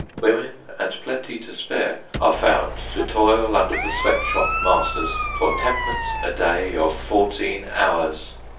Women, and plenty to spare, are found to toil under the sweat shop masters for tenpence a day of fourteen hours.